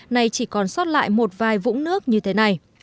này chỉ còn sót lại một vài vũng nước như thế này